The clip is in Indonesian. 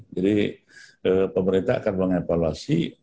jadi pemerintah akan mengevaluasi